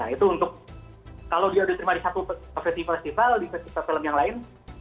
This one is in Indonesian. itu untuk kalau dia udah terima di satu festival di festival film yang lain